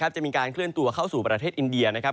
จะมีการเคลื่อนตัวเข้าสู่ประเทศอินเดียนะครับ